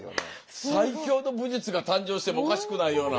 最強の武術が誕生してもおかしくないような。